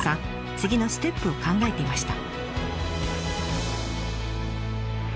次のステップを考えていました。